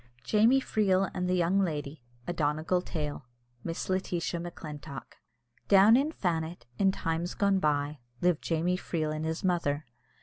] JAMIE FREEL AND THE YOUNG LADY. A Donegal Tale. MISS LETITIA MACLINTOCK. Down in Fannet, in times gone by, lived Jamie Freel and his mother.